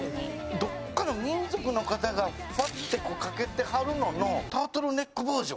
どこかの民族の方がファッとかけてるののタートルネックバージョン。